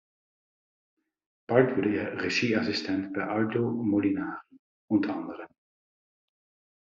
Bald wurde er Regieassistent bei Aldo Molinari und anderen.